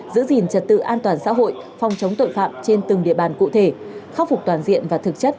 giữ gìn trật tự an toàn xã hội phòng chống tội phạm trên từng địa bàn cụ thể khắc phục toàn diện và thực chất